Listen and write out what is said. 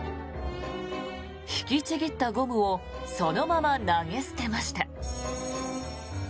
引きちぎったゴムをそのまま投げ捨てました。